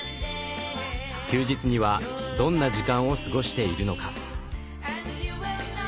休日にはどんな時間を過ごしているのか。